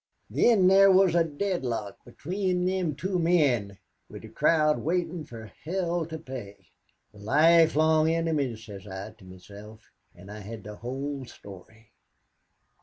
"Thin there wuz a dead lock between thim two men, wid the crowd waitin' fer hell to pay. Life long inimies, sez I, to meself, an' I hed the whole story.